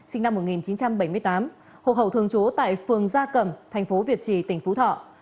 sinh năm một nghìn chín trăm bảy mươi tám hộ khẩu thường trú tại phường gia cẩm thành phố việt trì tỉnh phú thọ